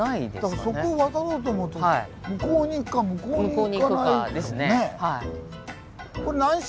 だからそこを渡ろうと思うと向こうに行くか向こうに行かないとね。